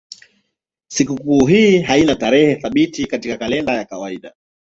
Sikukuu hii haina tarehe thabiti katika kalenda ya kawaida.